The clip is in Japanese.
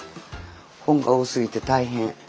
本が多すぎて大変。